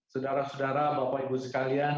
saudara saudara bapak ibu sekalian